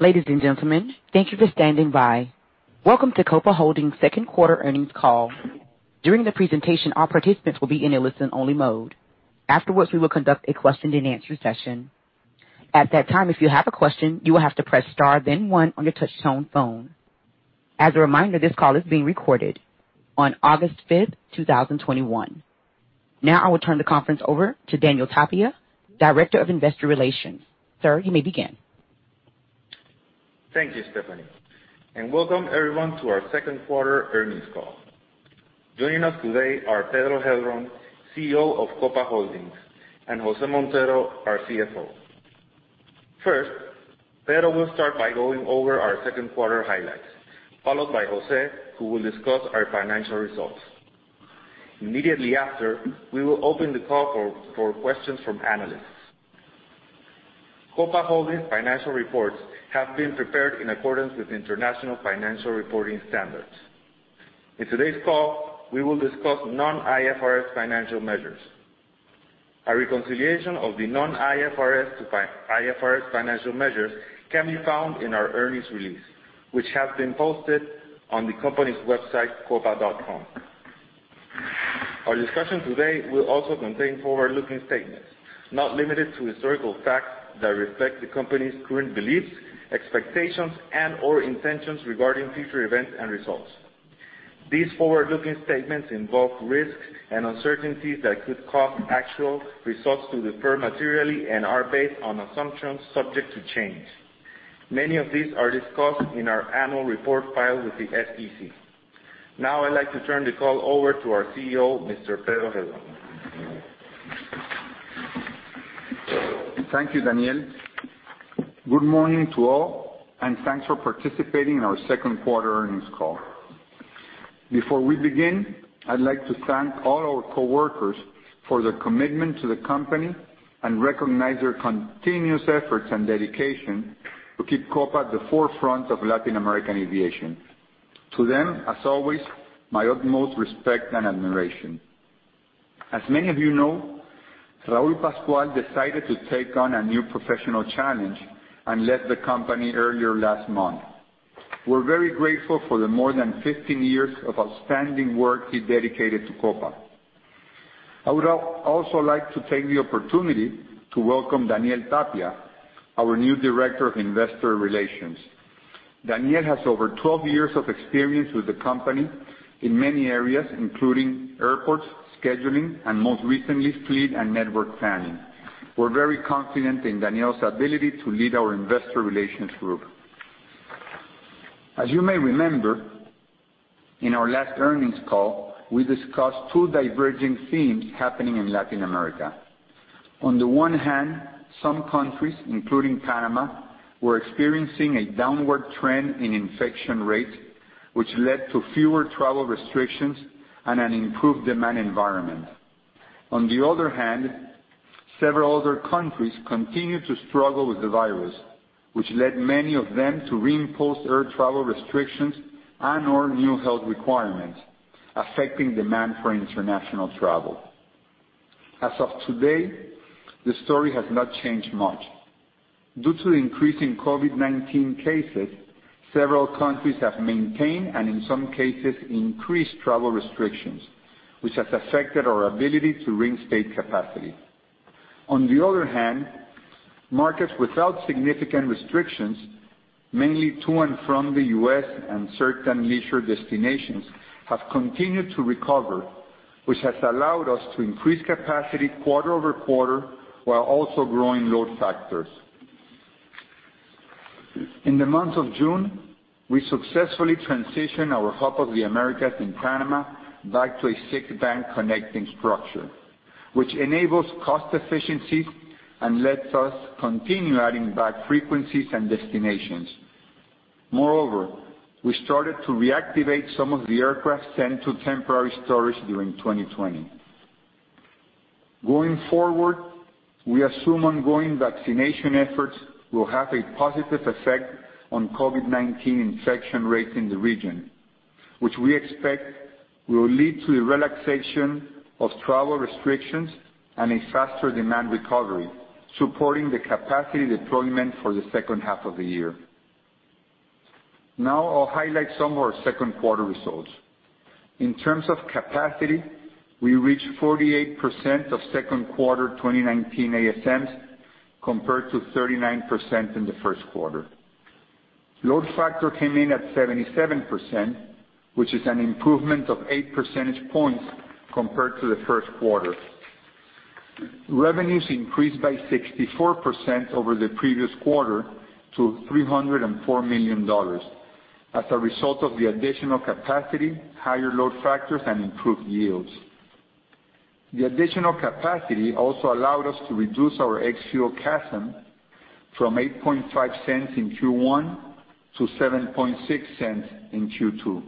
Ladies and gentlemen, thank you for standing by. Welcome to Copa Holdings' second quarter earnings call. During the presentation, all participants will be in a listen-only mode. Afterwards, we will conduct a question-and-answer session. At that time, if you have a question, you will have to press star then 1 on your touchtone phone. As a reminder, this call is being recorded on August 5th, 2021. I will turn the conference over to Daniel Tapia, Director of Investor Relations. Sir, you may begin. Thank you, Stephanie, and welcome everyone to our second quarter earnings call. Joining us today are Pedro Heilbron, CEO of Copa Holdings, and Jose Montero, our CFO. First, Pedro will start by going over our second quarter highlights, followed by Jose, who will discuss our financial results. Immediately after, we will open the call for questions from analysts. Copa Holdings financial reports have been prepared in accordance with International Financial Reporting Standards. In today's call, we will discuss non-IFRS financial measures. A reconciliation of the non-IFRS to IFRS financial measures can be found in our earnings release, which has been posted on the company's website, copa.com. Our discussion today will also contain forward-looking statements, not limited to historical facts that reflect the company's current beliefs, expectations, and/or intentions regarding future events and results. These forward-looking statements involve risks and uncertainties that could cause actual results to differ materially and are based on assumptions subject to change. Many of these are discussed in our annual report filed with the SEC. Now I'd like to turn the call over to our CEO, Mr. Pedro Heilbron. Thank you, Daniel. Good morning to all, and thanks for participating in our second quarter earnings call. Before we begin, I'd like to thank all our coworkers for their commitment to the company and recognize their continuous efforts and dedication to keep Copa at the forefront of Latin American aviation. To them, as always, my utmost respect and admiration. As many of you know, Raul Pascual decided to take on a new professional challenge and left the company earlier last month. We're very grateful for the more than 15 years of outstanding work he dedicated to Copa. I would also like to take the opportunity to welcome Daniel Tapia, our new Director of Investor Relations. Daniel has over 12 years of experience with the company in many areas, including airports, scheduling, and most recently, fleet and network planning. We're very confident in Daniel's ability to lead our investor relations group. As you may remember, in our last earnings call, we discussed two diverging themes happening in Latin America. On the one hand, some countries, including Panama, were experiencing a downward trend in infection rates, which led to fewer travel restrictions and an improved demand environment. On the other hand, several other countries continued to struggle with the virus, which led many of them to reimpose air travel restrictions and/or new health requirements, affecting demand for international travel. As of today, the story has not changed much. Due to the increase in COVID-19 cases, several countries have maintained, and in some cases, increased travel restrictions, which has affected our ability to reinstate capacity. On the other hand, markets without significant restrictions, mainly to and from the U.S. and certain leisure destinations, have continued to recover, which has allowed us to increase capacity quarter-over-quarter while also growing load factors. In the month of June, we successfully transitioned our Hub of the Americas in Panama back to a six-bank connecting structure, which enables cost efficiencies and lets us continue adding back frequencies and destinations. Moreover, we started to reactivate some of the aircraft sent to temporary storage during 2020. Going forward, we assume ongoing vaccination efforts will have a positive effect on COVID-19 infection rates in the region, which we expect will lead to the relaxation of travel restrictions and a faster demand recovery, supporting the capacity deployment for the second half of the year. Now I'll highlight some of our second quarter results. In terms of capacity, we reached 48% of second quarter 2019 ASMs compared to 39% in the first quarter. Load factor came in at 77%, which is an improvement of 8 percentage points compared to the first quarter. Revenues increased by 64% over the previous quarter to $304 million as a result of the additional capacity, higher load factors, and improved yields. The additional capacity also allowed us to reduce our ex-fuel CASM from $0.085 in Q1 to $0.076 in Q2.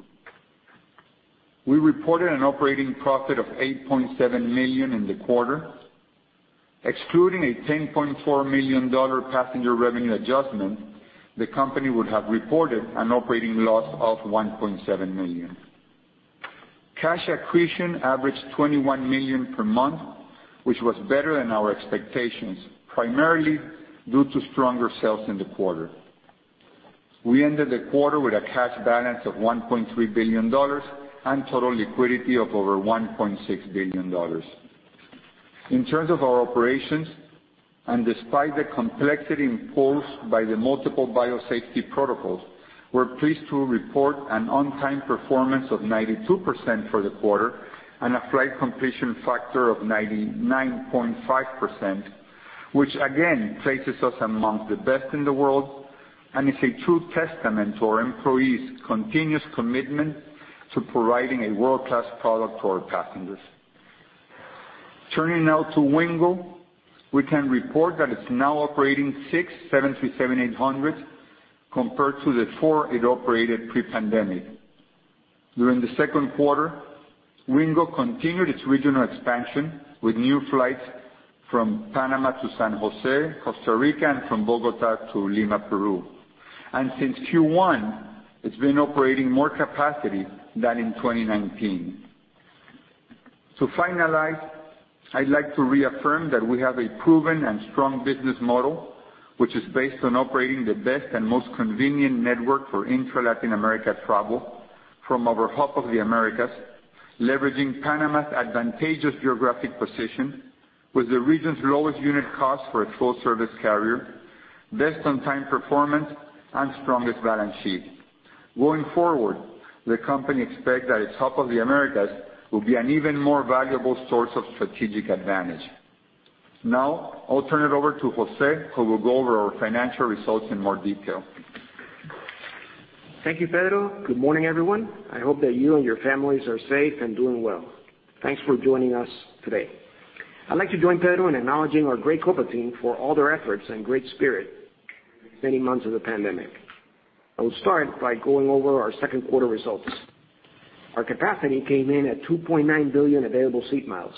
We reported an operating profit of $8.7 million in the quarter. Excluding a $10.4 million passenger revenue adjustment, the company would have reported an operating loss of $1.7 million. Cash accretion averaged $21 million per month, which was better than our expectations, primarily due to stronger sales in the quarter. We ended the quarter with a cash balance of $1.3 billion and total liquidity of over $1.6 billion. In terms of our operations, and despite the complexity imposed by the multiple biosafety protocols, we're pleased to report an on-time performance of 92% for the quarter, and a flight completion factor of 99.5%, which again places us amongst the best in the world, and is a true testament to our employees' continuous commitment to providing a world-class product to our passengers. Turning now to Wingo, we can report that it's now operating 6 737-800s, compared to the four it operated pre-pandemic. During the second quarter, Wingo continued its regional expansion with new flights from Panama to San Jose, Costa Rica, and from Bogota to Lima, Peru. Since Q1, it's been operating more capacity than in 2019. To finalize, I'd like to reaffirm that we have a proven and strong business model, which is based on operating the best and most convenient network for intra-Latin America travel from our Hub of the Americas, leveraging Panama's advantageous geographic position, with the region's lowest unit cost for a full-service carrier, best on-time performance, and strongest balance sheet. Going forward, the company expects that its Hub of the Americas will be an even more valuable source of strategic advantage. I'll turn it over to Jose, who will go over our financial results in more detail. Thank you, Pedro. Good morning, everyone. I hope that you and your families are safe and doing well. Thanks for joining us today. I'd like to join Pedro in acknowledging our great Copa team for all their efforts and great spirit during these many months of the pandemic. I will start by going over our second quarter results. Our capacity came in at 2.9 billion Available Seat Miles,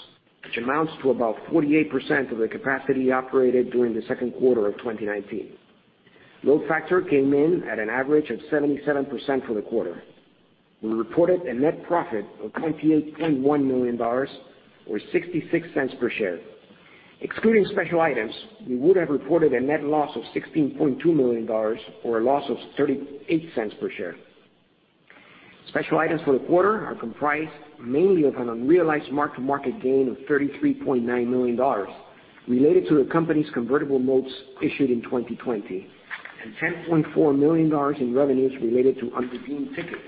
which amounts to about 48% of the capacity operated during the second quarter of 2019. Load factor came in at an average of 77% for the quarter. We reported a net profit of $28.1 million, or $0.66 per share. Excluding special items, we would have reported a net loss of $16.2 million, or a loss of $0.38 per share. Special items for the quarter are comprised mainly of an unrealized mark-to-market gain of $33.9 million related to the company's convertible notes issued in 2020, and $10.4 million in revenues related to unredeemed tickets,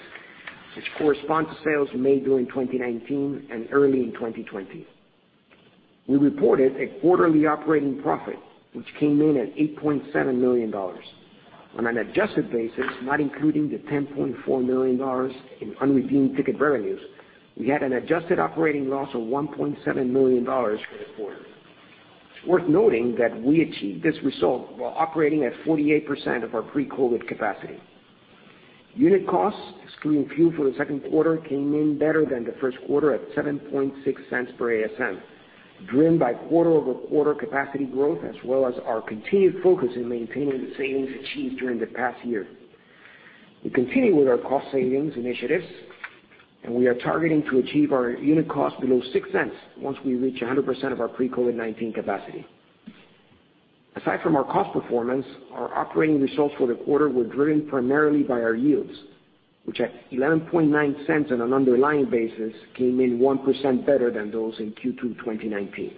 which correspond to sales made during 2019 and early in 2020. We reported a quarterly operating profit, which came in at $8.7 million. On an adjusted basis, not including the $10.4 million in unredeemed ticket revenues, we had an adjusted operating loss of $1.7 million for the quarter. It's worth noting that we achieved this result while operating at 48% of our pre-COVID-19 capacity. Unit costs, excluding fuel for the second quarter, came in better than the first quarter at $0.076 per ASM, driven by quarter-over-quarter capacity growth, as well as our continued focus in maintaining the savings achieved during the past year. We continue with our cost savings initiatives, and we are targeting to achieve our unit cost below $0.06 once we reach 100% of our pre-COVID-19 capacity. Aside from our cost performance, our operating results for the quarter were driven primarily by our yields, which at $0.119 on an underlying basis came in 1% better than those in Q2 2019.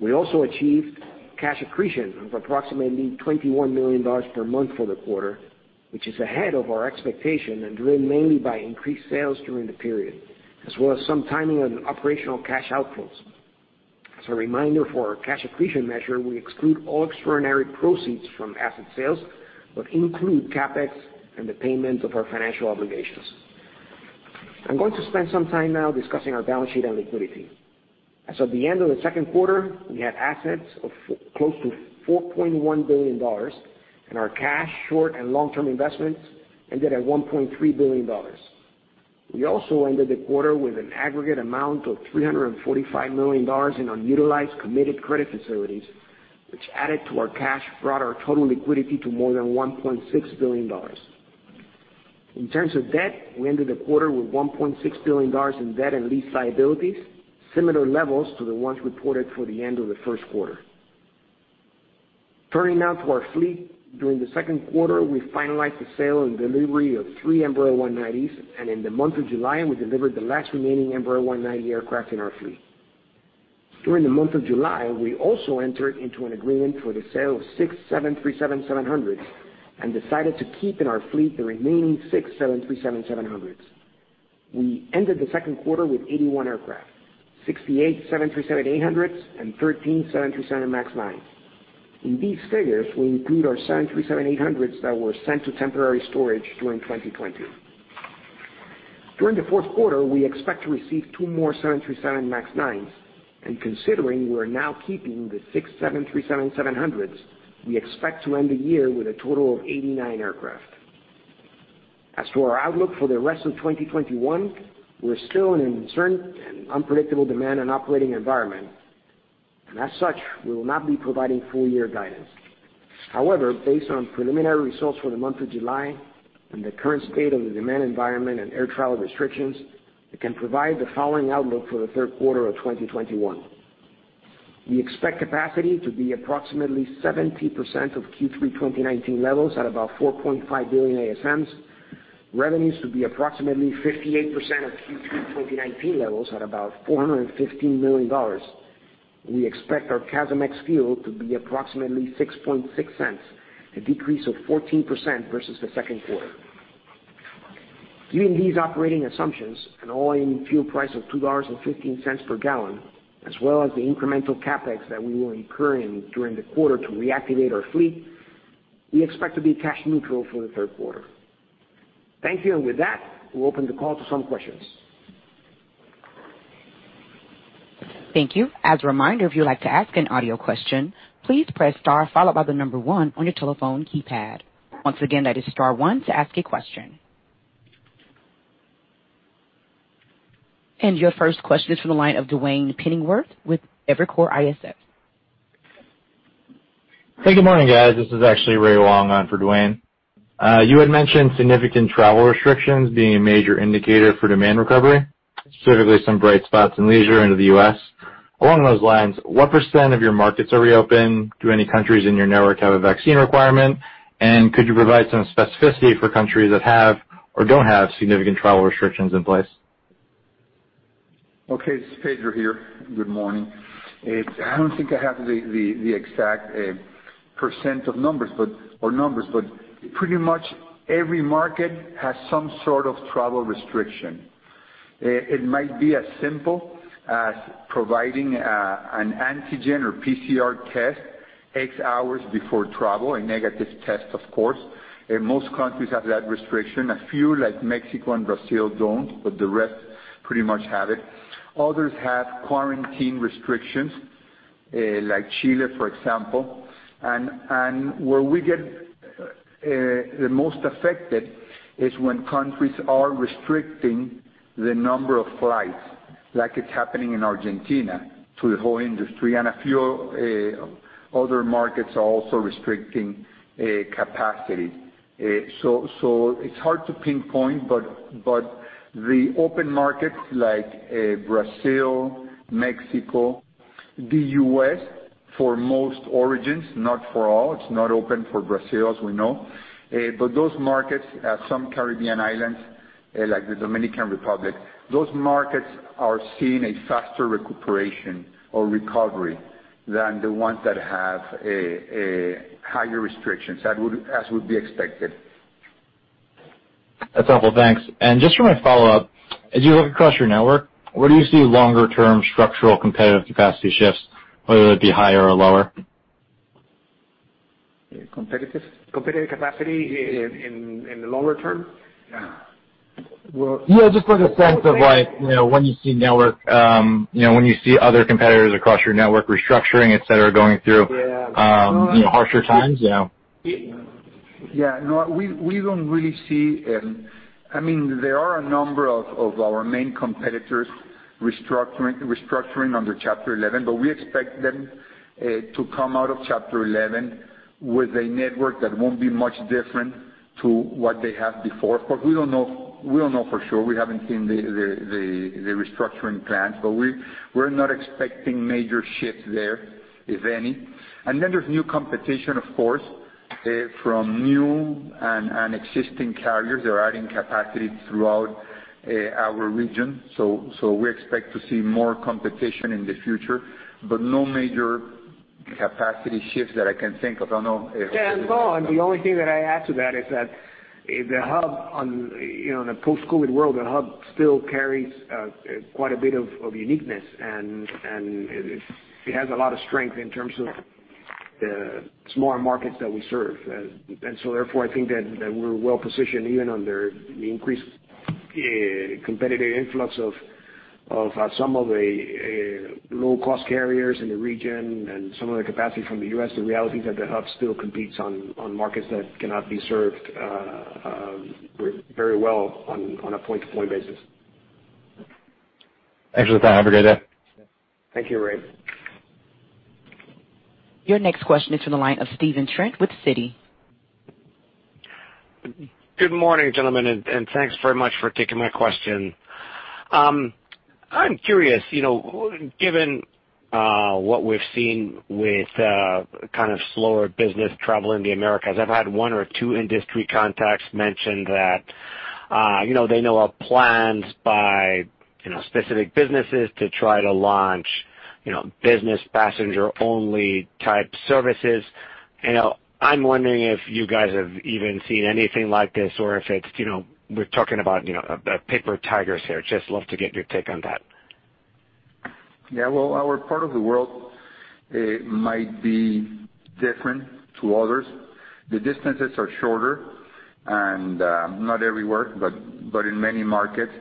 We also achieved cash accretion of approximately $21 million per month for the quarter, which is ahead of our expectation and driven mainly by increased sales during the period, as well as some timing on operational cash outflows. As a reminder for our cash accretion measure, we exclude all extraordinary proceeds from asset sales, but include CapEx and the payment of our financial obligations. I'm going to spend some time now discussing our balance sheet and liquidity. As of the end of the second quarter, we had assets of close to $4.1 billion, and our cash short and long-term investments ended at $1.3 billion. We also ended the quarter with an aggregate amount of $345 million in unutilized committed credit facilities, which added to our cash, brought our total liquidity to more than $1.6 billion. In terms of debt, we ended the quarter with $1.6 billion in debt and lease liabilities, similar levels to the ones reported for the end of the first quarter. Turning now to our fleet. During the second quarter, we finalized the sale and delivery of three Embraer 190s, and in the month of July, we delivered the last remaining Embraer 190 aircraft in our fleet. During the month of July, we also entered into an agreement for the sale of 6 737-700s, and decided to keep in our fleet the remaining 6 737-700s. We ended the second quarter with 81 aircraft, 68 737-800s, and 13 737 MAX 9s. In these figures, we include our 737-800s that were sent to temporary storage during 2020. During the fourth quarter, we expect to receive two more 737 MAX 9s, considering we're now keeping the 6 737-700s, we expect to end the year with a total of 89 aircraft. As to our outlook for the rest of 2021, we're still in an uncertain and unpredictable demand and operating environment. As such, we will not be providing full year guidance. Based on preliminary results for the month of July and the current state of the demand environment and air travel restrictions, we can provide the following outlook for the third quarter of 2021. We expect capacity to be approximately 70% of Q3 2019 levels at about 4.5 billion ASMs. Revenues to be approximately 58% of Q3 2019 levels at about $415 million. We expect our CASM ex-fuel to be approximately $0.0660, a decrease of 14% versus the second quarter. Given these operating assumptions, an all-in fuel price of $2.15 per gallon, as well as the incremental CapEx that we will incur during the quarter to reactivate our fleet, we expect to be cash neutral for the third quarter. Thank you, with that, we'll open the call to some questions. Thank you. As a reminder, if you'd like to ask an audio question, please press star followed by the number 1 on your telephone keypad. Once again, that is star one to ask a question. Your first question is from the line of Duane Pfennigwerth with Evercore ISI. Hey, good morning, guys. This is actually Ray Wong on for Duane. You had mentioned significant travel restrictions being a major indicator for demand recovery, specifically some bright spots in leisure into the U.S. Along those lines, what % of your markets are reopen? Do any countries in your network have a vaccine requirement? Could you provide some specificity for countries that have or don't have significant travel restrictions in place? Okay. This is Pedro here. Good morning. I don't think I have the exact % or numbers, but pretty much every market has some sort of travel restriction. It might be as simple as providing an antigen or PCR test X hours before travel, a negative test, of course. Most countries have that restriction. A few, like Mexico and Brazil, don't, but the rest pretty much have it. Others have quarantine restrictions, like Chile, for example. Where we get the most affected is when countries are restricting the number of flights, like it's happening in Argentina to the whole industry, and a few other markets are also restricting capacity. It's hard to pinpoint, but the open markets like Brazil, Mexico, the U.S. for most origins, not for all, it's not open for Brazil, as we know. Those markets have some Caribbean islands, like the Dominican Republic. Those markets are seeing a faster recuperation or recovery than the ones that have higher restrictions as would be expected. That's helpful. Thanks. Just for my follow-up, as you look across your network, where do you see longer-term structural competitive capacity shifts, whether it be higher or lower? Competitive capacity in the longer term? Yeah, just for the sense of when you see other competitors across your network restructuring, et cetera, going through harsher times. There are a number of our main competitors restructuring under Chapter 11, but we expect them to come out of Chapter 11 with a network that won't be much different to what they had before. Of course, we don't know for sure. We haven't seen the restructuring plans, but we're not expecting major shifts there, if any. There's new competition, of course, from new and existing carriers. They're adding capacity throughout our region. We expect to see more competition in the future, but no major capacity shifts that I can think of. Yeah. No, the only thing that I add to that is that in a post-COVID world, the hub still carries quite a bit of uniqueness, and it has a lot of strength in terms of the smaller markets that we serve. Therefore, I think that we're well-positioned even under the increased competitive influx of some of the low-cost carriers in the region and some of the capacity from the U.S. The reality is that the hub still competes on markets that cannot be served very well on a point-to-point basis. Thanks for the time. Have a great day. Thank you, Ray. Your next question is from the line of Stephen Trent with Citi. Good morning, gentlemen. Thanks very much for taking my question. I am curious, given what we have seen with kind of slower business travel in the Americas, I have had one or two industry contacts mention that they know of plans by specific businesses to try to launch business passenger-only type services. I am wondering if you guys have even seen anything like this or if we are talking about paper tigers here. Just love to get your take on that. Well, our part of the world might be different to others. The distances are shorter, and not everywhere, but in many markets.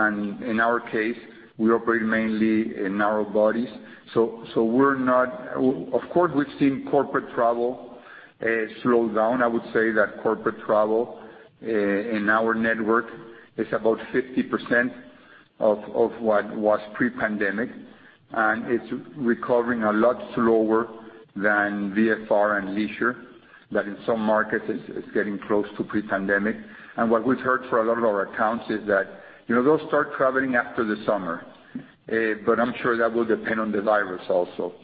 In our case, we operate mainly in narrow bodies. Of course, we have seen corporate travel slowed down. I would say that corporate travel in our network is about 50% of what was pre-pandemic, and it is recovering a lot slower than VFR and leisure, that in some markets it is getting close to pre-pandemic. What we have heard from a lot of our accounts is that they will start traveling after the summer. I am sure that will depend on the virus also.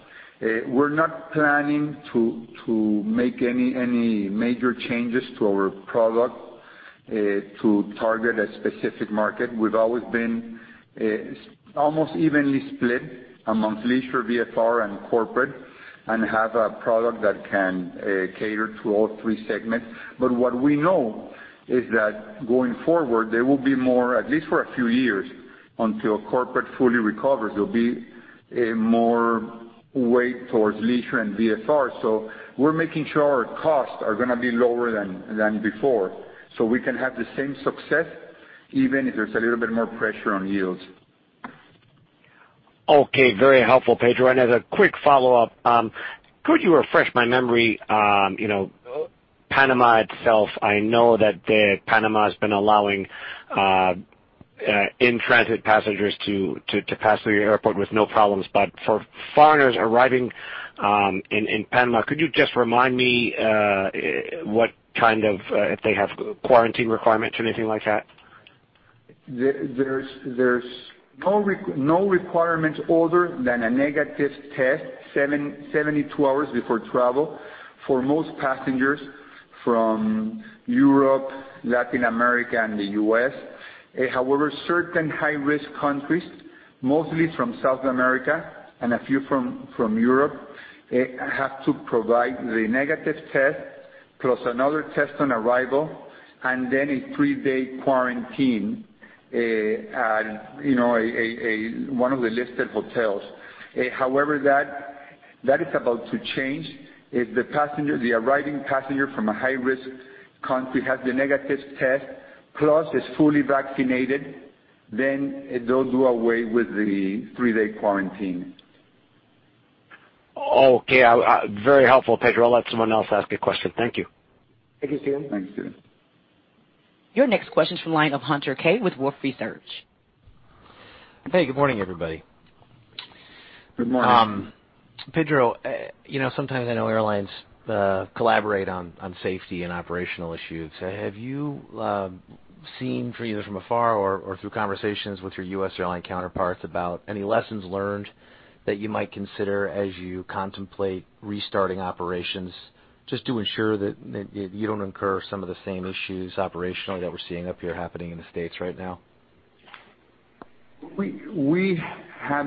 We are not planning to make any major changes to our product to target a specific market. We have always been almost evenly split amongst leisure, VFR, and corporate, and have a product that can cater to all three segments. What we know is that going forward, there will be more, at least for a few years, until corporate fully recovers, there'll be more weight towards leisure and VFR. We're making sure our costs are going to be lower than before, so we can have the same success, even if there's a little bit more pressure on yields. Okay. Very helpful, Pedro. As a quick follow-up, could you refresh my memory on Panama itself? I know that Panama has been allowing in-transit passengers to pass through the airport with no problems, but for foreigners arriving in Panama, could you just remind me if they have quarantine requirements or anything like that? There's no requirements other than a negative test 72 hours before travel for most passengers from Europe, Latin America, and the U.S. However, certain high-risk countries, mostly from South America and a few from Europe, have to provide the negative test, plus another test on arrival, and then a 3-day quarantine at one of the listed hotels. However, that is about to change. If the arriving passenger from a high-risk country has the negative test, plus is fully vaccinated, then they'll do away with the 3-day quarantine. Okay. Very helpful, Pedro. I'll let someone else ask a question. Thank you. Thank you, Stephen. Thanks, Stephen. Your next question is from the line of Hunter Keay with Wolfe Research. Hey, good morning, everybody. Good morning. Pedro, sometimes I know airlines collaborate on safety and operational issues. Have you seen, from either from afar or through conversations with your U.S. airline counterparts, about any lessons learned that you might consider as you contemplate restarting operations, just to ensure that you don't incur some of the same issues operationally that we're seeing up here happening in the U.S. right now?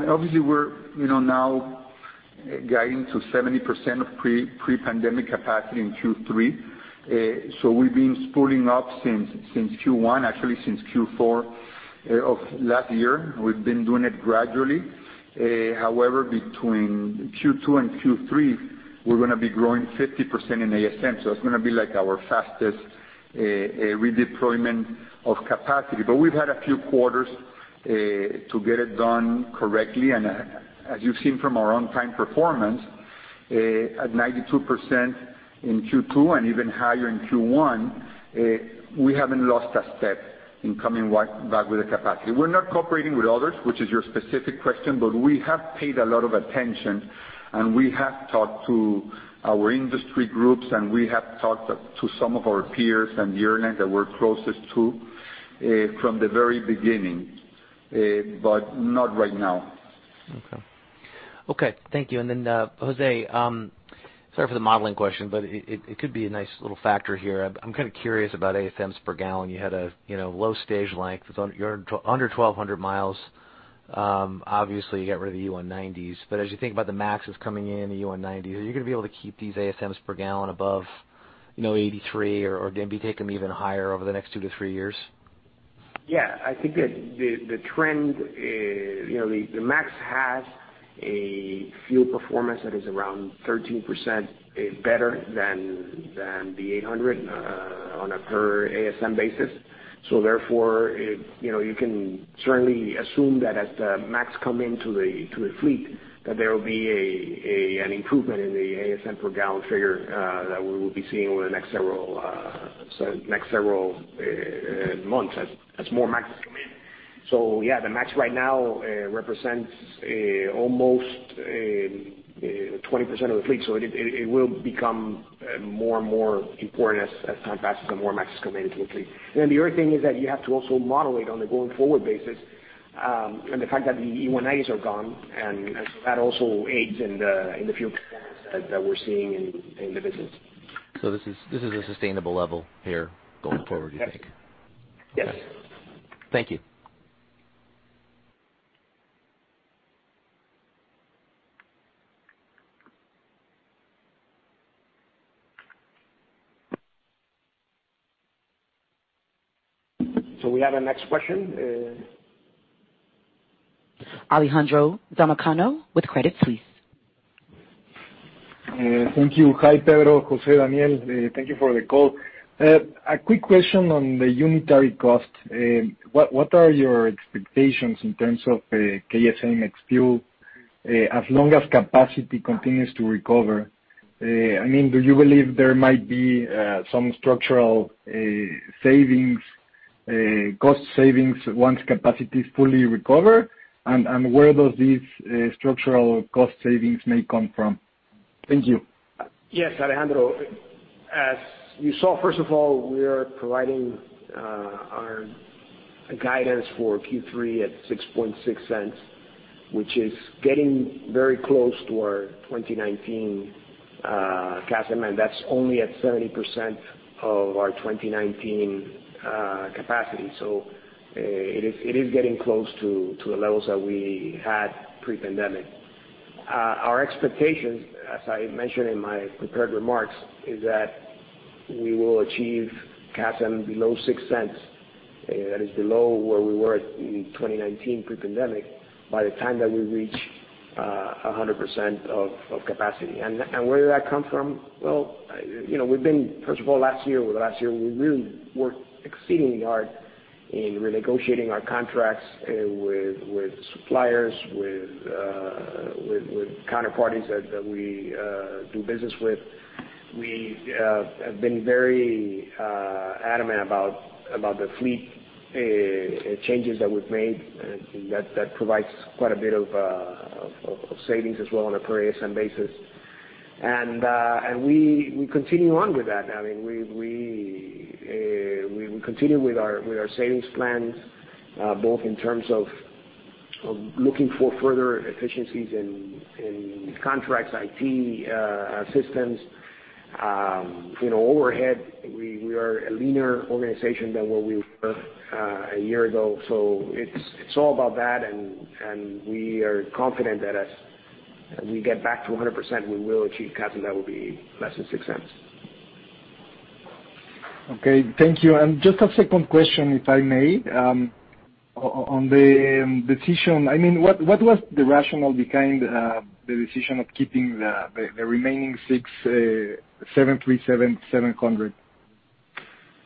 Obviously, we're now guiding to 70% of pre-pandemic capacity in Q3. We've been spooling up since Q1, actually since Q4 of last year. We've been doing it gradually. Between Q2 and Q3, we're going to be growing 50% in ASM, so it's going to be our fastest redeployment of capacity. We've had a few quarters to get it done correctly, and as you've seen from our on-time performance, at 92% in Q2 and even higher in Q1, we haven't lost a step in coming back with the capacity. We're not cooperating with others, which is your specific question, but we have paid a lot of attention, and we have talked to our industry groups, and we have talked to some of our peers and United that we're closest to from the very beginning, but not right now. Okay. Thank you. Jose, sorry for the modeling question, it could be a nice little factor here. I'm kind of curious about ASMs per gallon. You had a low stage length. You're under 1,200 miles. Obviously, you got rid of the E190s. As you think about the MAXs coming in and the E190s, are you going to be able to keep these ASMs per gallon above 83 or maybe take them even higher over the next two to three years? Yeah, I think the MAX has a fuel performance that is around 13% better than the 800 on a per ASM basis. Therefore, you can certainly assume that as the MAX come into the fleet, that there will be an improvement in the ASM per gallon figure that we will be seeing over the next several months as more MAXs come in. Yeah, the MAX right now represents almost 20% of the fleet. It will become more and more important as time passes and more MAXs come into the fleet. Then the other thing is that you have to also model it on a going forward basis, and the fact that the E190s are gone, and so that also aids in the fuel performance that we're seeing in the business. This is a sustainable level here going forward, you think? Yes. Thank you. We have a next question? Alejandro Demichelis with Credit Suisse. Thank you. Hi, Pedro, Jose, Daniel. Thank you for the call. A quick question on the unitary cost. What are your expectations in terms of CASM ex-fuel. As long as capacity continues to recover, do you believe there might be some structural cost savings once capacity is fully recovered? Where does these structural cost savings may come from? Thank you. Yes, Alejandro. As you saw, first of all, we are providing our guidance for Q3 at $0.066, which is getting very close to our 2019 CASM, and that's only at 30% of our 2019 capacity. It is getting close to the levels that we had pre-pandemic. Our expectations, as I mentioned in my prepared remarks, is that we will achieve CASM below $0.06. That is below where we were at in 2019 pre-pandemic, by the time that we reach 100% of capacity. Where did that come from? Well, first of all, last year, we really worked exceedingly hard in renegotiating our contracts with suppliers, with counterparties that we do business with. We have been very adamant about the fleet changes that we've made, and that provides quite a bit of savings as well on a per ASM basis. We continue on with that. We continue with our savings plans, both in terms of looking for further efficiencies in contracts, IT systems. Overhead, we are a leaner organization than what we were a year ago. It's all about that, and we are confident that as we get back to 100%, we will achieve CASM that will be less than $0.06. Okay. Thank you. Just a second question, if I may. On the decision, what was the rationale behind the decision of keeping the remaining 6 737-700s?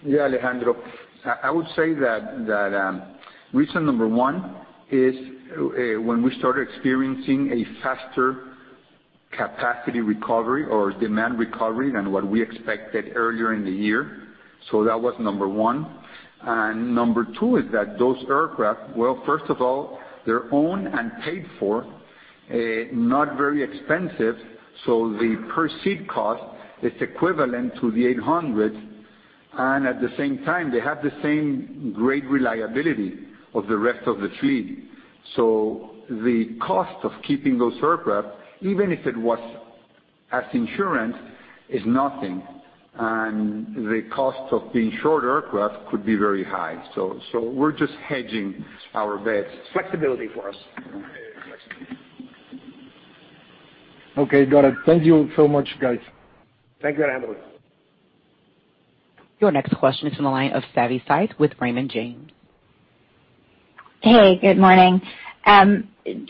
Yeah, Alejandro. I would say that reason number one is when we started experiencing a faster capacity recovery or demand recovery than what we expected earlier in the year. That was number 1. Number 2 is that those aircraft, well, first of all, they're owned and paid for, not very expensive. The per seat cost is equivalent to the 800s, and at the same time, they have the same great reliability of the rest of the fleet. The cost of keeping those aircraft, even if it was as insurance, is nothing. The cost of being short aircraft could be very high. We're just hedging our bets. Flexibility for us. Okay. Got it. Thank you so much, guys. Thank you, Alejandro. Your next question is on the line of Savanthi Syth with Raymond James. Hey, good morning.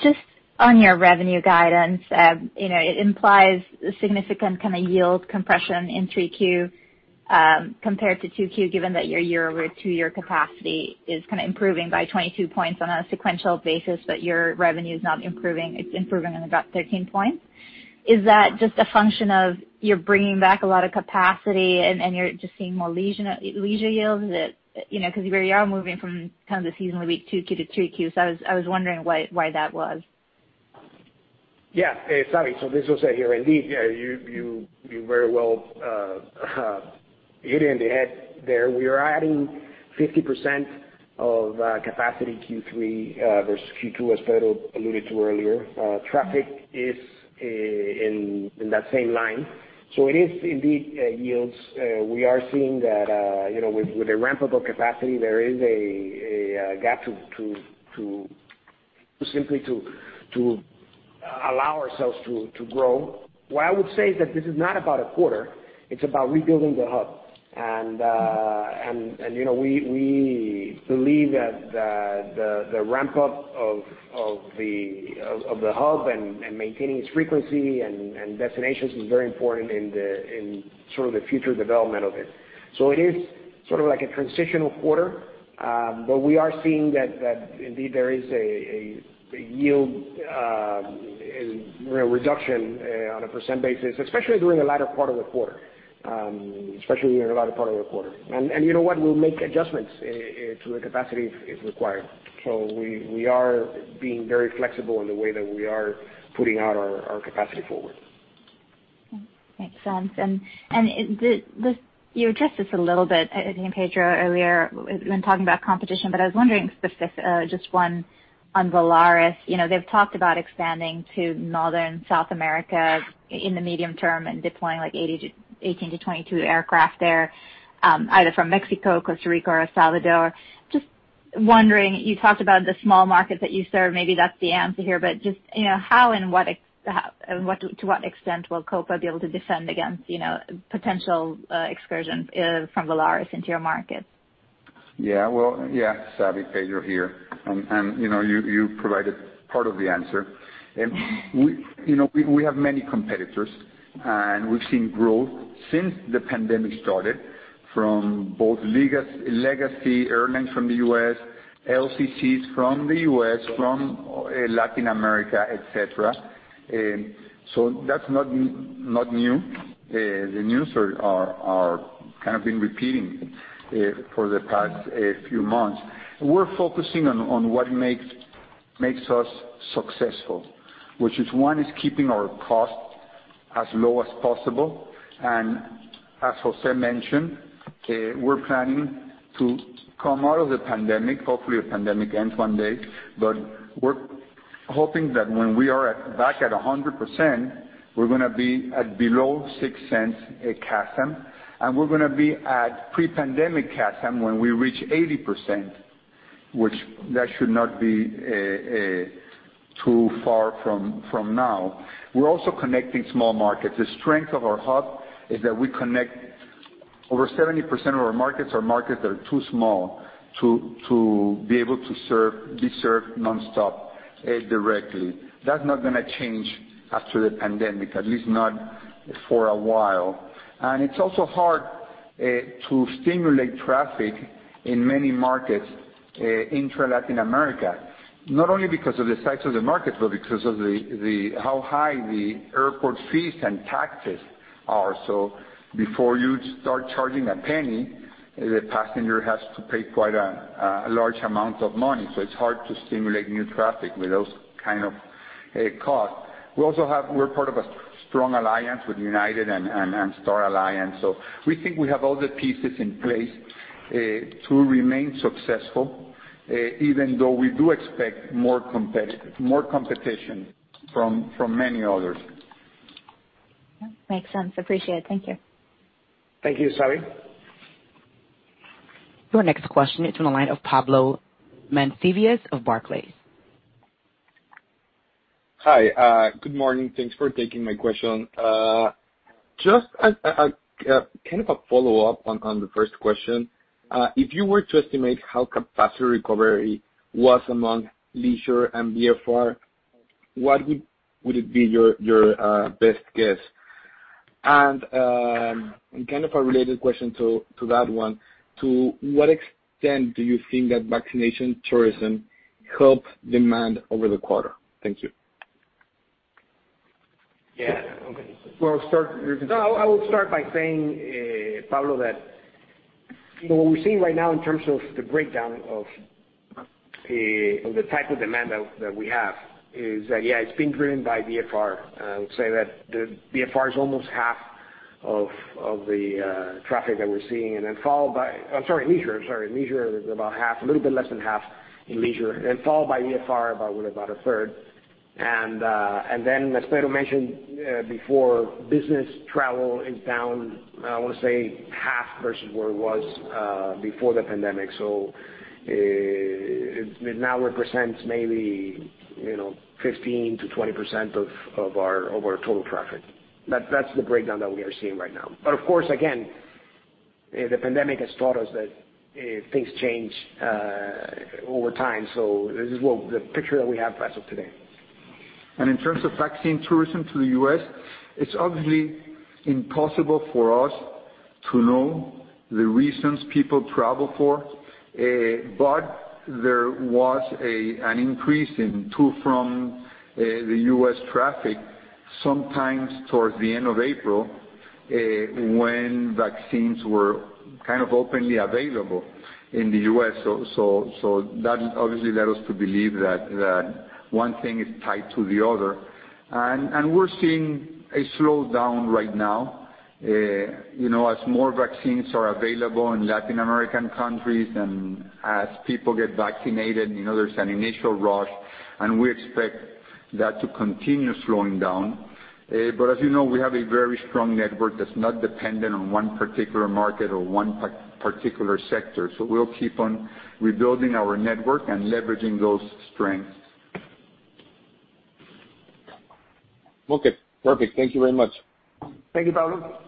Just on your revenue guidance, it implies a significant kind of yield compression in Q3 compared to Q2, given that your year-over-two year capacity is kind of improving by 22 points on a sequential basis, your revenue is not improving. It's improving on about 13 points. Is that just a function of you're bringing back a lot of capacity and you're just seeing more leisure yields? You are moving from kind of the seasonally weak Q2 to Q3. I was wondering why that was. Yeah. Savi, this is Jose here. Indeed, you very well hit it in the head there. We are adding 50% of capacity Q3 versus Q2, as Pedro alluded to earlier. Traffic is in that same line. It is indeed yields. We are seeing that with a ramp of capacity, there is a gap to simply to allow ourselves to grow. What I would say is that this is not about a quarter, it's about rebuilding the hub. We believe that the ramp-up of the hub and maintaining its frequency and destinations is very important in sort of the future development of it. It is sort of like a transitional quarter. We are seeing that indeed there is a yield reduction on a % basis, especially during the latter part of the quarter. You know what. We'll make adjustments to the capacity if required. We are being very flexible in the way that we are putting out our capacity forward. Makes sense. You addressed this a little bit, I think Pedro earlier when talking about competition. I was wondering specifically just one on Volaris. They've talked about expanding to Northern South America in the medium term and deploying like 18 to 22 aircraft there, either from Mexico, Costa Rica, or El Salvador. Just wondering, you talked about the small market that you serve. Maybe that's the answer here. Just how and to what extent will Copa be able to defend against potential excursions from Volaris into your markets? Yeah. Well, yeah, Savi. Pedro here. You provided part of the answer. We have many competitors. We've seen growth since the pandemic started from both legacy airlines from the U.S., LCCs from the U.S., from Latin America, et cetera. That's not new. The news are kind of been repeating for the past few months. We're focusing on what makes us successful, which is, one, is keeping our costs as low as possible. As José mentioned, we're planning to come out of the pandemic. Hopefully, the pandemic ends one day. We're hoping that when we are back at 100%, we're going to be at below $0.06 a CASM, and we're going to be at pre-pandemic CASM when we reach 80%, which that should not be too far from now. We're also connecting small markets. The strength of our hub is that we connect Over 70% of our markets are markets that are too small to be able to be served nonstop directly. That's not going to change after the pandemic, at least not for a while. It's also hard to stimulate traffic in many markets intra-Latin America, not only because of the size of the markets, but because of how high the airport fees and taxes are. Before you start charging a penny, the passenger has to pay quite a large amount of money. It's hard to stimulate new traffic with those kind of costs. We're part of a strong alliance with United and Star Alliance. We think we have all the pieces in place to remain successful, even though we do expect more competition from many others. Makes sense. Appreciate it. Thank you. Thank you, Savi. Your next question is on the line of Pablo Monsivais of Barclays. Hi. Good morning. Thanks for taking my question. Just kind of a follow-up on the first question. If you were to estimate how capacity recovery was among leisure and VFR, what would it be your best guess? Kind of a related question to that one, to what extent do you think that vaccination tourism helped demand over the quarter? Thank you. Yeah. Okay. Well, I'll start. No, I will start by saying, Pablo, that what we're seeing right now in terms of the breakdown of the type of demand that we have is that, yeah, it's been driven by VFR. I would say that the VFR is almost half of the traffic that we're seeing. Followed by leisure. Leisure is about half, a little bit less than half in leisure. Followed by VFR, about a third. As Pedro mentioned before, business travel is down, I want to say half versus where it was before the pandemic. It now represents maybe 15% to 20% of our total traffic. That's the breakdown that we are seeing right now. Of course, again, the pandemic has taught us that things change over time. This is the picture that we have as of today. In terms of vaccine tourism to the U.S., it's obviously impossible for us to know the reasons people travel for, but there was an increase in to-from the U.S. traffic sometimes towards the end of April, when vaccines were kind of openly available in the U.S. That obviously led us to believe that one thing is tied to the other. We're seeing a slowdown right now. As more vaccines are available in Latin American countries and as people get vaccinated, there's an initial rush, and we expect that to continue slowing down. As you know, we have a very strong network that's not dependent on one particular market or one particular sector. We'll keep on rebuilding our network and leveraging those strengths. Okay. Perfect. Thank you very much. Thank you, Pablo.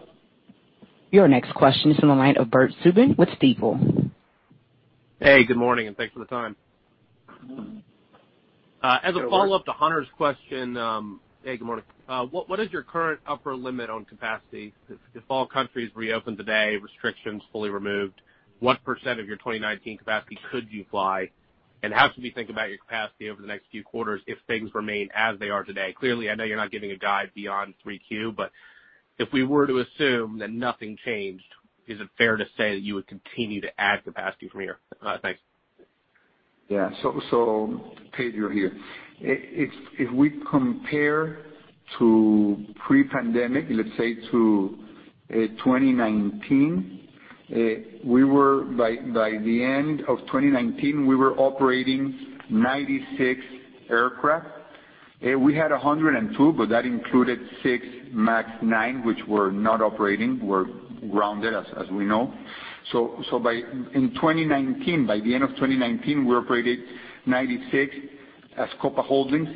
Your next question is on the line of Bert Subin with Stifel. Hey, good morning, and thanks for the time. Sure. As a follow-up to Hunter's question. Hey, good morning. What is your current upper limit on capacity? If all countries reopened today, restrictions fully removed, what % of your 2019 capacity could you fly? How should we think about your capacity over the next few quarters if things remain as they are today? Clearly, I know you're not giving a guide beyond 3Q, but if we were to assume that nothing changed, is it fair to say that you would continue to add capacity from here? Thanks. Yeah. Pedro here. If we compare to pre-pandemic, let's say to 2019, by the end of 2019, we were operating 96 aircraft. We had 102, that included six MAX nine, which were not operating, were grounded, as we know. In 2019, by the end of 2019, we operated 96 as Copa Holdings.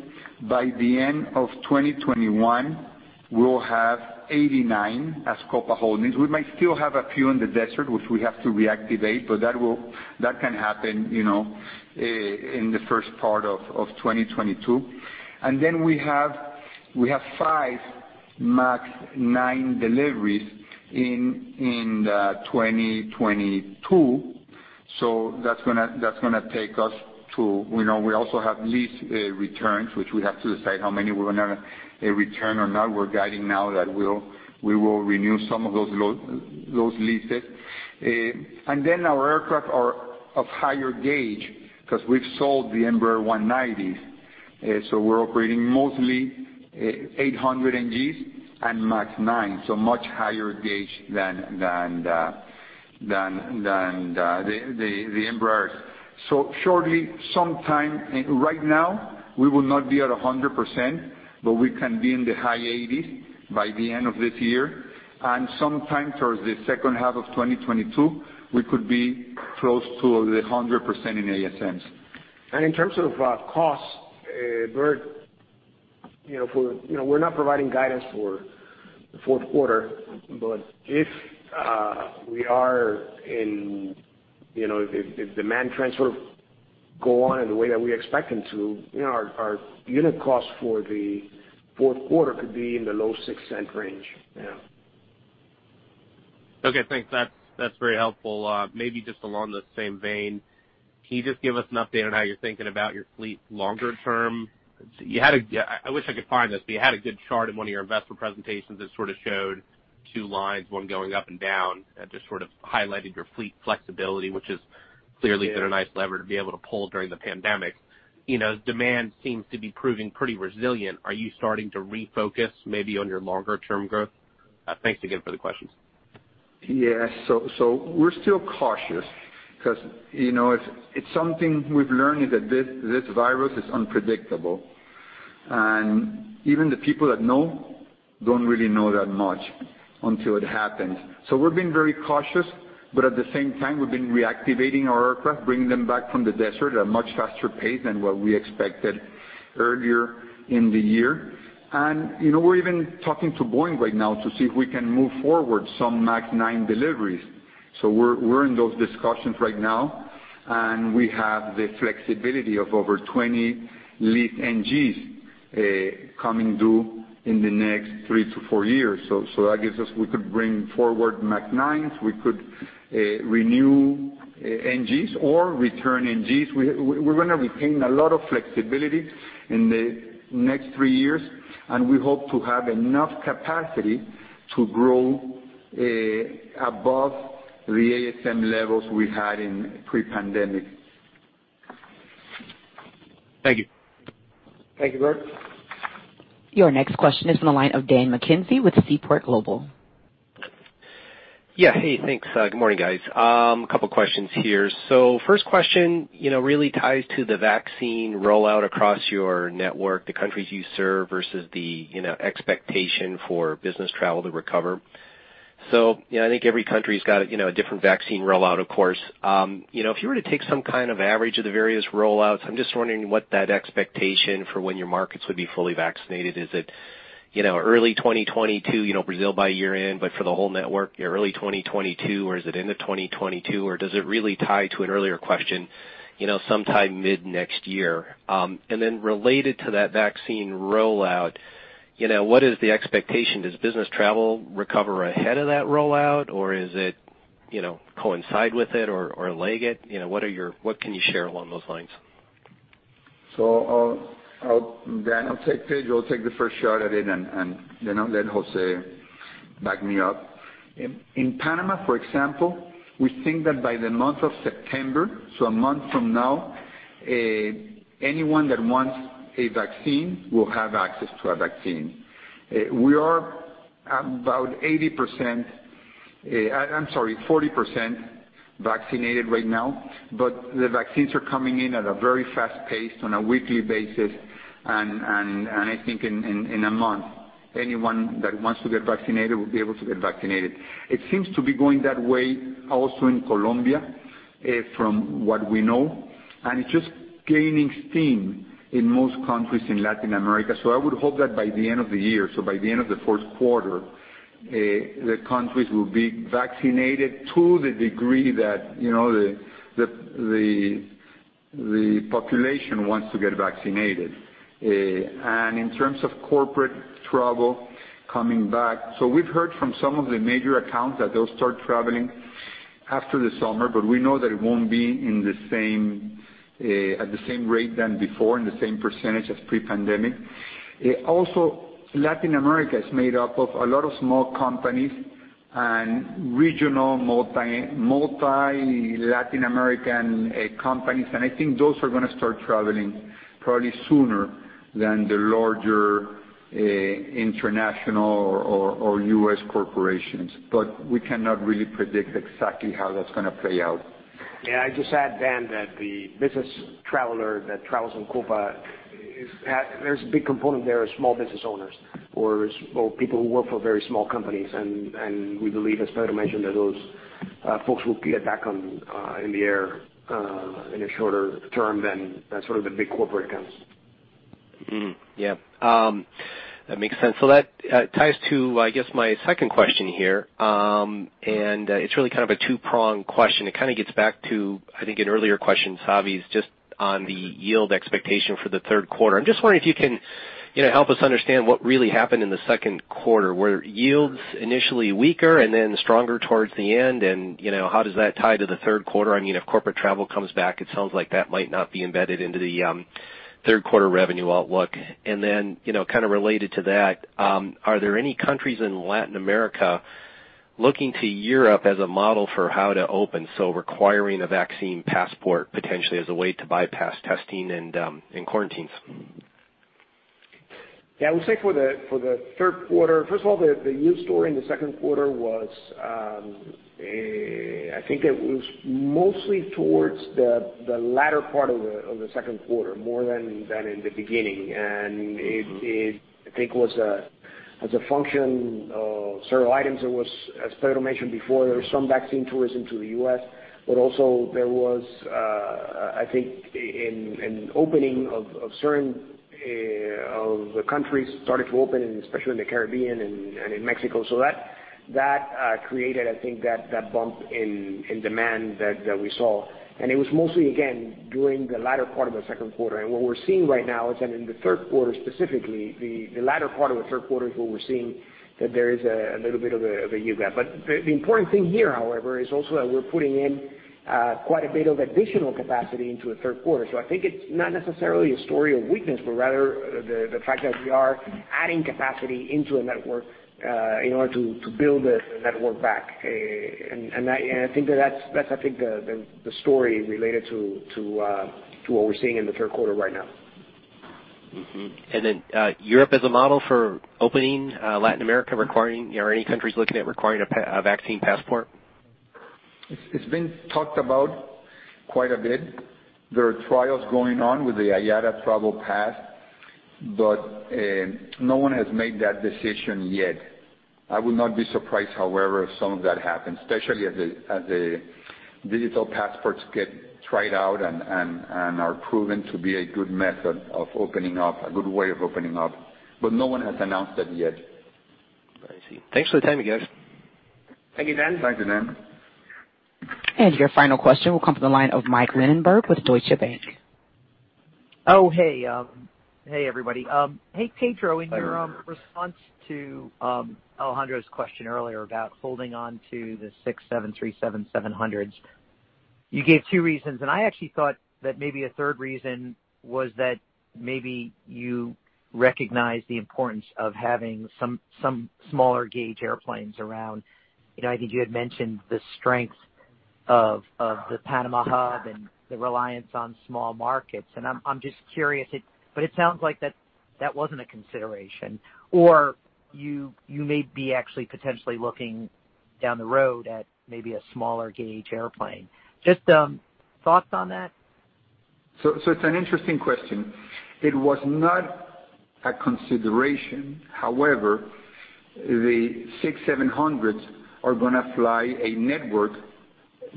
By the end of 2021, we'll have 89 as Copa Holdings. We might still have a few in the desert, which we have to reactivate, that can happen in the first part of 2022. We have five MAX 9 deliveries in 2022. We also have lease returns, which we have to decide how many we're going to return or not. We're guiding now that we will renew some of those leases. Our aircraft are of higher gauge, because we've sold the Embraer 190s. We're operating mostly 800NGs and MAX 9, much higher gauge than the Embraers. Shortly, right now, we will not be at 100%, we can be in the high 80s by the end of this year. Sometime towards the second half of 2022, we could be close to the 100% in ASMs. In terms of costs, Bert, we're not providing guidance for the fourth quarter, but if demand trends sort of go on in the way that we expect them to, our unit costs for the fourth quarter could be in the low $0.06 range. Yeah. Okay, thanks. That's very helpful. Maybe just along the same vein, can you just give us an update on how you're thinking about your fleet longer term? I wish I could find this, but you had a good chart in one of your investor presentations that showed two lines, one going up and down, that just highlighted your fleet flexibility, which has clearly been a nice lever to be able to pull during the pandemic. Demand seems to be proving pretty resilient. Are you starting to refocus maybe on your longer term growth? Thanks again for the questions. Yeah. We're still cautious because it's something we've learned is that this virus is unpredictable, and even the people that know don't really know that much until it happens. We're being very cautious, but at the same time, we've been reactivating our aircraft, bringing them back from the desert at a much faster pace than what we expected earlier in the year. We're even talking to Boeing right now to see if we can move forward some MAX 9 deliveries. We're in those discussions right now, and we have the flexibility of over 20 leased NGs coming due in the next three to four years. That gives us, we could bring forward MAX 9s. We could renew NGs or return NGs. We're going to retain a lot of flexibility in the next three years. We hope to have enough capacity to grow above the ASM levels we had in pre-pandemic. Thank you. Thank you, Bert. Your next question is on the line of Daniel McKenzie with Seaport Global. Yeah. Hey, thanks. Good morning, guys. A couple questions here. First question really ties to the vaccine rollout across your network, the countries you serve versus the expectation for business travel to recover. I think every country's got a different vaccine rollout, of course. If you were to take some kind of average of the various rollouts, I'm just wondering what that expectation for when your markets would be fully vaccinated. Is it early 2022, Brazil by year-end, but for the whole network, early 2022? Is it end of 2022? Does it really tie to an earlier question, sometime mid-next year? Related to that vaccine rollout, what is the expectation? Does business travel recover ahead of that rollout, or does it coincide with it, or lag it? What can you share along those lines? Dan, I'll take the first shot at it, and then I'll let Jose back me up. In Panama, for example, we think that by the month of September, so a month from now, anyone that wants a vaccine will have access to a vaccine. We are about 40% vaccinated right now, but the vaccines are coming in at a very fast pace on a weekly basis, and I think in a month, anyone that wants to get vaccinated will be able to get vaccinated. It seems to be going that way also in Colombia, from what we know. It's just gaining steam in most countries in Latin America. I would hope that by the end of the year, so by the end of the first quarter, the countries will be vaccinated to the degree that the population wants to get vaccinated. In terms of corporate travel coming back, we've heard from some of the major accounts that they'll start traveling after the summer, but we know that it won't be at the same rate than before, in the same percentage as pre-pandemic. Latin America is made up of a lot of small companies and regional multi-Latin American companies, and I think those are going to start traveling probably sooner than the larger international or U.S. corporations. We cannot really predict exactly how that's going to play out. Yeah. I'd just add, Dan, that the business traveler that travels on Copa, there's a big component there of small business owners or people who work for very small companies. We believe, as Pedro mentioned, that those folks will get back in the air in a shorter term than sort of the big corporate accounts. Yeah. That makes sense. That ties to, I guess my second question here, and it's really kind of a two-pronged question. It kind of gets back to, I think an earlier question, Savi, is just on the yield expectation for the third quarter. I'm just wondering if you can help us understand what really happened in the second quarter, were yields initially weaker and then stronger towards the end? How does that tie to the third quarter? If corporate travel comes back, it sounds like that might not be embedded into the third-quarter revenue outlook. Kind of related to that, are there any countries in Latin America looking to Europe as a model for how to open, so requiring a vaccine passport potentially as a way to bypass testing and quarantines? Yeah. I would say for the third quarter, first of all, the yield story in the second quarter was, I think it was mostly towards the latter part of the second quarter, more than in the beginning. I think as a function of several items, as Pedro mentioned before, there was some vaccine tourism to the U.S., but also there was, I think, an opening of certain countries started to open, and especially in the Caribbean and in Mexico. That created, I think that bump in demand that we saw. It was mostly, again, during the latter part of the second quarter. What we're seeing right now is that in the third quarter, specifically, the latter part of the third quarter is where we're seeing that there is a little bit of a yield gap. The important thing here, however, is also that we're putting in quite a bit of additional capacity into the third quarter. I think it's not necessarily a story of weakness, but rather the fact that we are adding capacity into a network, in order to build the network back. I think that's the story related to what we're seeing in the third quarter right now. Europe as a model for opening Latin America, are any countries looking at requiring a vaccine passport? It's been talked about quite a bit. There are trials going on with the IATA Travel Pass. No one has made that decision yet. I would not be surprised, however, if some of that happens, especially as the digital passports get tried out and are proven to be a good method of opening up, a good way of opening up. No one has announced that yet. I see. Thanks for the time, you guys. Thank you, Dan. Thank you, Dan. Your final question will come from the line of Michael Linenberg with Deutsche Bank. Oh, hey. Hey everybody. Hey Pedro. Hi, Mike. In your response to Alejandro's question earlier about holding on to the 737-700s, you gave two reasons. I actually thought that maybe a 3rd reason was that maybe you recognize the importance of having some smaller gauge airplanes around. I think you had mentioned the strength of the Panama hub and the reliance on small markets, I'm just curious, it sounds like that wasn't a consideration. You may be actually potentially looking down the road at maybe a smaller gauge airplane. Just thoughts on that? It's an interesting question. It was not a consideration. However, the 6,700s are going to fly a network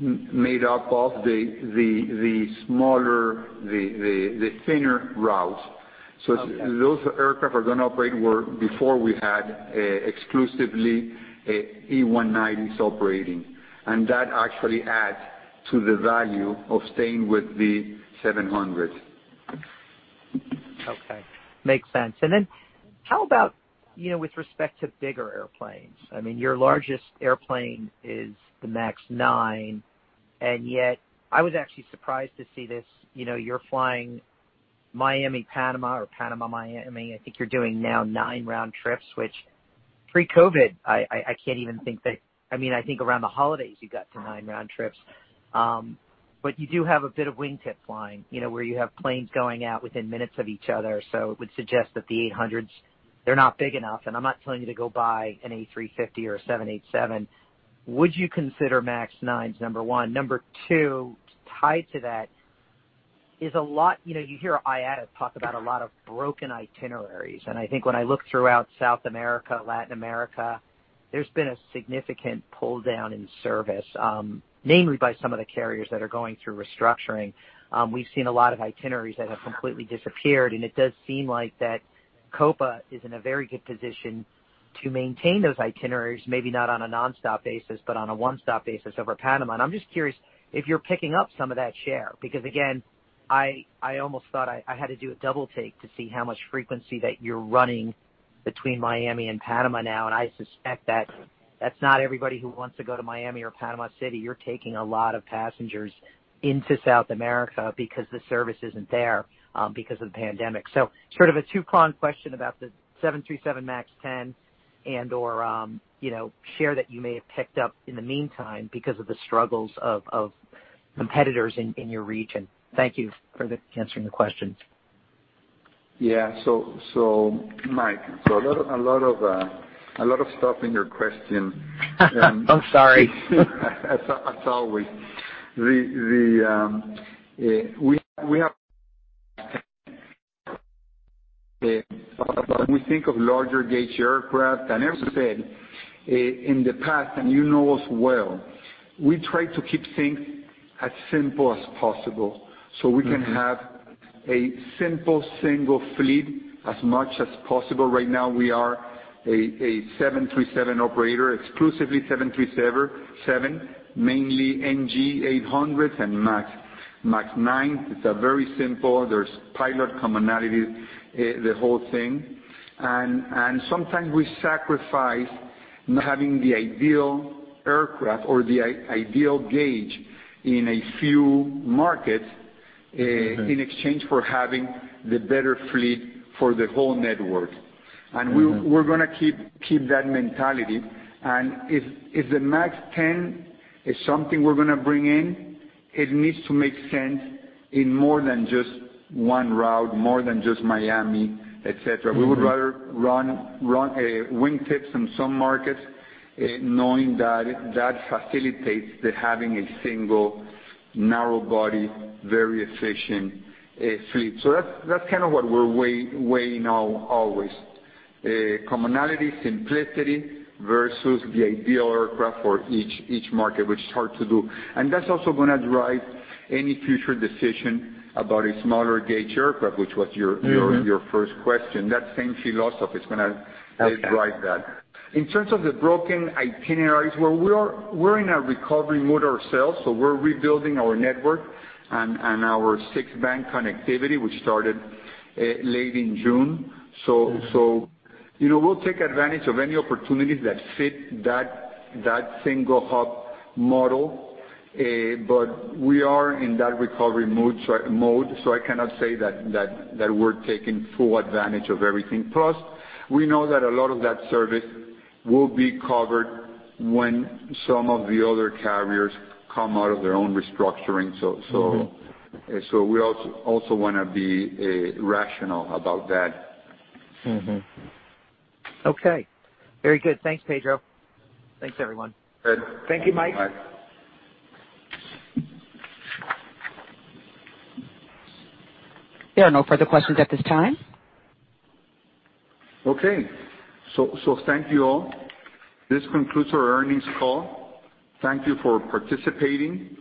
made up of the smaller, the thinner routes. Okay. Those aircraft are going to operate where before we had exclusively E190s operating, and that actually adds to the value of staying with the 700s. Okay. Makes sense. How about with respect to bigger airplanes? Your largest airplane is the MAX 9. I was actually surprised to see this. You're flying Miami-Panama or Panama-Miami. I think you're doing now nine round trips, which pre-COVID, I think around the holidays you got to nine round trips. You do have a bit of wingtip flying, where you have planes going out within minutes of each other. It would suggest that the 800s, they're not big enough. I'm not telling you to go buy an A350 or a 787. Would you consider MAX 9s, number one? Number two, tied to that is a lot, you hear IATA talk about a lot of broken itineraries, and I think when I look throughout South America, Latin America, there's been a significant pull-down in service, namely by some of the carriers that are going through restructuring. We've seen a lot of itineraries that have completely disappeared. It does seem like that Copa is in a very good position to maintain those itineraries, maybe not on a nonstop basis, but on a one-stop basis over Panama. I'm just curious if you're picking up some of that share, because again, I almost thought I had to do a double take to see how much frequency that you're running between Miami and Panama now. I suspect that that's not everybody who wants to go to Miami or Panama City. You're taking a lot of passengers into South America because the service isn't there because of the pandemic. Sort of a two-pronged question about the 737 MAX 10 and/or share that you may have picked up in the meantime because of the struggles of competitors in your region. Thank you for answering the questions. Yeah. Mike, so a lot of stuff in your question. I'm sorry. As always. When we think of larger gauge aircraft, I never said in the past, you know us well, we try to keep things as simple as possible, so we can have a simple single fleet as much as possible. Right now, we are a 737 operator, exclusively 737, mainly 737NG 800s and MAX 9s. It's very simple. There's pilot commonality, the whole thing. Sometimes we sacrifice not having the ideal aircraft or the ideal gauge in a few markets in exchange for having the better fleet for the whole network. We're going to keep that mentality. If the MAX 10 is something we're going to bring in, it needs to make sense in more than just one route, more than just Miami, et cetera. We would rather run wing tips in some markets, knowing that that facilitates the having a single narrow-body, very efficient fleet. That's kind of what we're weighing now, always. Commonality, simplicity versus the ideal aircraft for each market, which is hard to do. That's also going to drive any future decision about a smaller gauge aircraft, which was your first question. That same philosophy is going to drive that. In terms of the broken itineraries, we're in a recovery mode ourselves, so we're rebuilding our network and our six-bank connectivity, which started late in June. We'll take advantage of any opportunities that fit that single hub model, but we are in that recovery mode, so I cannot say that we're taking full advantage of everything. We know that a lot of that service will be covered when some of the other carriers come out of their own restructuring. We also want to be rational about that. Okay. Very good. Thanks, Pedro. Thanks, everyone. Thank you, Mike. There are no further questions at this time. Okay. Thank you all. This concludes our earnings call. Thank you for participating.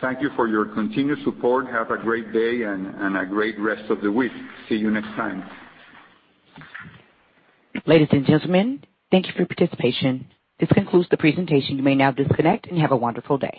Thank you for your continued support. Have a great day and a great rest of the week. See you next time. Ladies and gentlemen, thank you for your participation. This concludes the presentation. You may now disconnect, and have a wonderful day.